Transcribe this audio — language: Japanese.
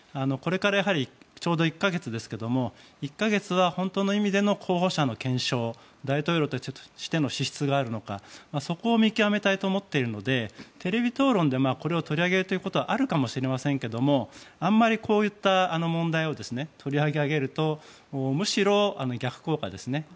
これからちょうど１か月ですけど１か月は本当の意味での候補者の検証大統領としての資質があるのかそこを見極めたいと思っているのでテレビ討論でこれを取り上げることはあるかもしれませんがあんまりこういった問題を取り上げるとむしろ逆効果ですね。